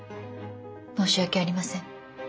申し訳ありません。